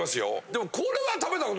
でも。